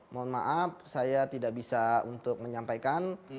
mohon maaf saya tidak bisa untuk menyampaikan